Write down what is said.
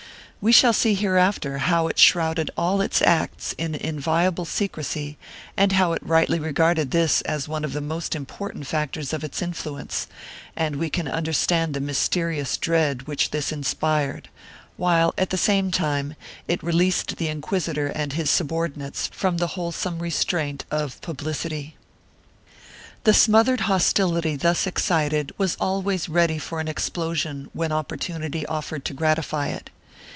We shall see hereafter how it shrouded all its acts in inviolable secrecy and how it rightly regarded this as one of the most important factors of its influence, and we can under stand the mysterious dread which this inspired, while, at the same time, it released the inquisitor and his subordinates from the wholesome restraint of publicity. The smothered hostility thus excited was always ready for an explosion when opportunity offered to gratify it.